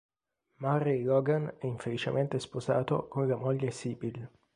Murray Logan è infelicemente sposato con la moglie Sybil.